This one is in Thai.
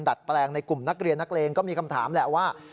ดัดแปลงในกลุ่มนักเรียนนักเลงก็มีคำถามแหละว่า